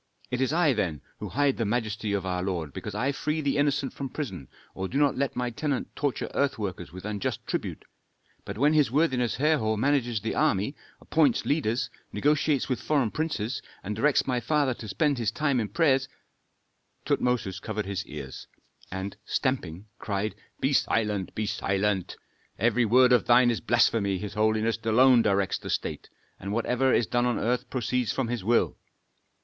"It is I, then, who hide the majesty of our lord, because I free the innocent from prison, or do not let my tenant torture earth workers with unjust tribute. But when his worthiness Herhor manages the army, appoints leaders, negotiates with foreign princes, and directs my father to spend his time in prayers " Tutmosis covered his ears, and, stamping, cried, "Be silent! be silent! every word of thine is blasphemy. His holiness alone directs the state, and whatever is done on earth proceeds from his will.